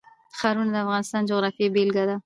ښارونه د افغانستان د جغرافیې بېلګه ده.